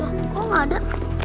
oh nggak ada